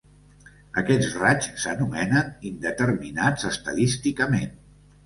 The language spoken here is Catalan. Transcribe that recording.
Aquests raigs s'anomenen "indeterminats estadísticament".